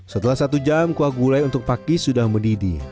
setelah satu jam kuah gulai untuk pakis sudah mendidih